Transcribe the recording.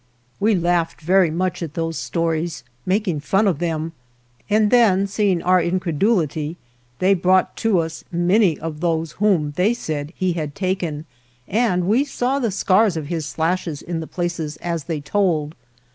31 We laughed very much at those stories, making fun of them, and then, seeing our incredulity they brought to us many of those whom, they said, he had taken, and we saw the scars of his slashes in the places and as they told.